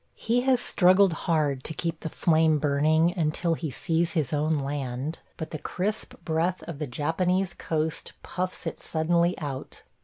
He has struggled hard to keep the flame burning until he sees his own land, but the crisp breath of the Japanese coast puffs it suddenly out.